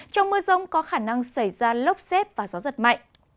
trong mưa rông có khả năng xảy ra lốc xét và gió giật mạnh